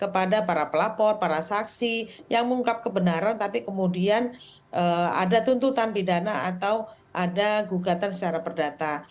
kepada para pelapor para saksi yang mengungkap kebenaran tapi kemudian ada tuntutan pidana atau ada gugatan secara perdata